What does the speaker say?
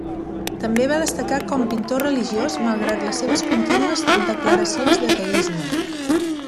També va destacar com pintor religiós malgrat les seves contínues declaracions d'ateisme.